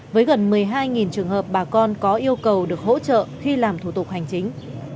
với gần một mươi hai trường hợp bà con có yêu cầu được hỗ trợ khi làm thủ tục hành chính